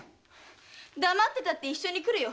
黙ってたって一緒に来るよ。